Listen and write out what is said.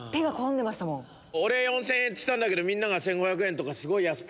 俺４０００円っつったんだけどみんなが１５００円とか安く。